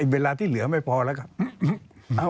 เวลาที่เหลือไม่พอแล้วครับ